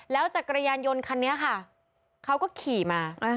แล้วจักรยานยนต์คันนี้ค่ะเขาก็ขี่มา